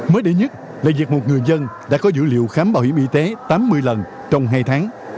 mới đây nhất là việc một người dân đã có dữ liệu khám bảo hiểm y tế tám mươi lần trong hai tháng